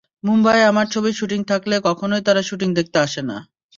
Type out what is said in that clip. মুম্বাইয়ে আমার ছবির শুটিং থাকলে কখনোই তারা শুটিং দেখতে আসে না।